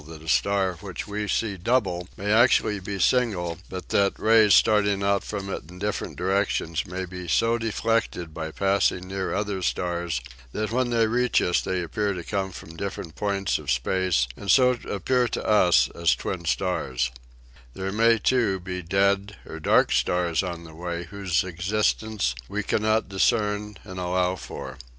The new factor introduced by Einstein is, as shown above, i__ 2m r THE ECLIPSE OBSERVATIONS 73 — '^Which we see double may actually be single but that rays starting out from it in different directions may be so deflected by passing near other stars that when they reach us they appear to come from different points of space and so appear to us as twin stars. There may, too, be dead or dark stars on the way whose existence we cannot discern and allow for.